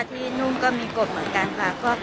ที่นู่นก็มีกฎเหมือนกันค่ะ